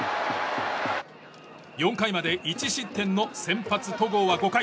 ４回まで１失点の先発、戸郷は５回。